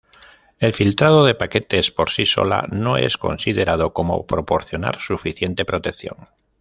El filtrado de paquetes por sí sola no es considerado como proporcionar suficiente protección.